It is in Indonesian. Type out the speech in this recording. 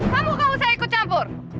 kamu gak usah ikut campur